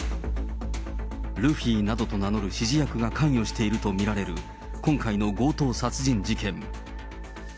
ルフィなどと名乗る指示役が関与していると見られる、今回の強盗殺人事件。